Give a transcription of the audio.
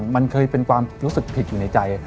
มันเคยเป็นความรู้สึกผิดอยู่ในใจ